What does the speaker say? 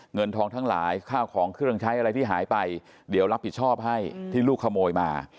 เงินทองทั้งหลายข้าวของเครื่องใช้อะไรที่หายไปเดี๋ยวรับผิดชอบให้ที่ลูกขโมยมา